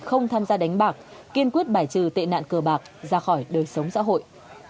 không tham gia đánh bạc kiên quyết bài trừ tệ nạn cờ bạc ra khỏi đời sống xã hội